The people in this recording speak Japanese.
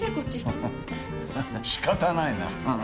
フフ仕方ないな。